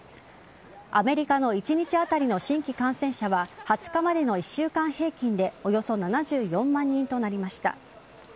アメリカの一日当たりの新規感染者は２０日までの１週間平均でおよそ７４万人となりました。